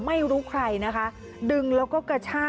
ไม่รู้ใครนะคะ